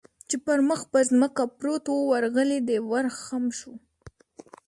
چې پر مخ پر ځمکه پروت و، ورغلی، دی ور خم شو.